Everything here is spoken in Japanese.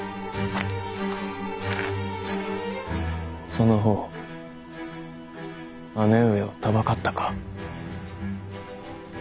その方姉上をたばかったか？